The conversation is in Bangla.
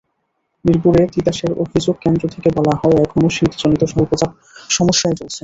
মিরপুরে তিতাসের অভিযোগ কেন্দ্র থেকে বলা হয়, এখনো শীতজনিত স্বল্পচাপ সমস্যাই চলছে।